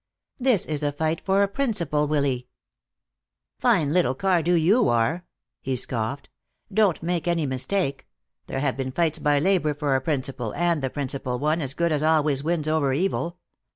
"This is a fight for a principle, Willy." "Fine little Cardew you are!" he scoffed. "Don't make any mistake. There have been fights by labor for a principle, and the principle won, as good always wins over evil.